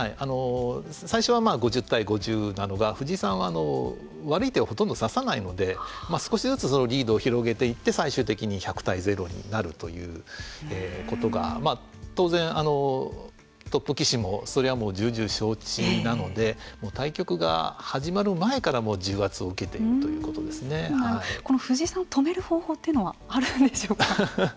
最初は５０対５０なのが藤井さんは悪い手をほとんど指さないので少しずつリードを広げていって最終的に１００対０になるということで当然トップ棋士もそれはもう重々承知なので対局が始まる前から重圧を受けているこの藤井さんを止める方法というのはあるんでしょうか。